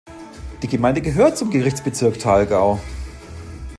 Die Gemeinde gehört zum Gerichtsbezirk Thalgau.